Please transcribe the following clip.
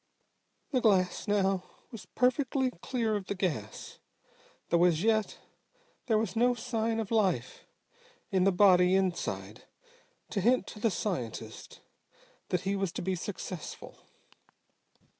The glass now was perfectly clear of the gas, though as yet there was no sign of life in the body inside to hint to the scientist that he was to be successful.